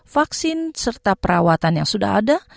vaksin serta perawatan yang sudah ada